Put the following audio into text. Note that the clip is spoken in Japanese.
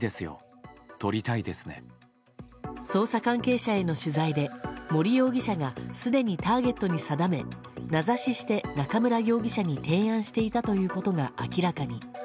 捜査関係者への取材で森容疑者がすでにターゲットに定め名指しして中村容疑者に提案していたということが明らかに。